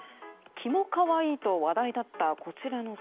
キモ可愛いと話題だったこちらの像。